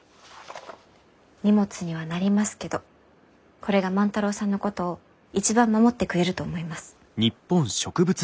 荷物にはなりますけどこれが万太郎さんのことを一番守ってくれると思います。